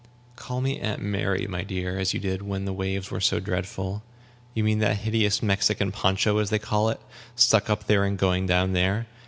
"Call me 'Aunt Mary,' my dear, as you did when the waves were so dreadful. You mean that hideous Mexican poncho, as they called it, stuck up here, and going down there.